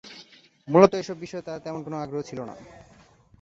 মূলত এসব বিষয়ে তার তেমন আগ্রহ ছিল না।